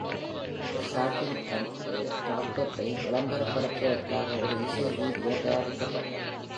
"Surfing on a rocket" ஐ விளம்பரப்படுத்துவதற்காக ஒரு இசை வீடியோ தயாரிக்கப்பட்டது.